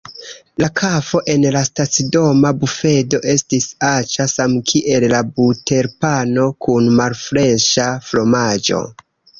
La kafo en la stacidoma bufedo estis aĉa, samkiel la buterpano kun malfreŝa fromaĝo.